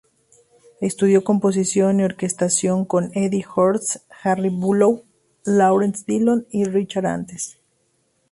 Estudió composición y orquestación con Eddie Horst, Harry Bülow, Lawrence Dillon y Richard Antes.